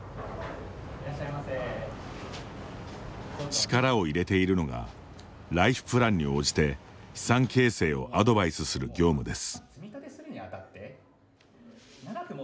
力を入れているのがライフプランに応じて資産形成をアドバイスする業務です。